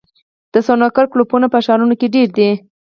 د سنوکر کلبونه په ښارونو کې ډېر دي.